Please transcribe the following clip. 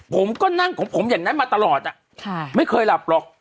ผมก็นั่งของผมอย่างนั้นมาตลอดไม่เคยหลับหรอก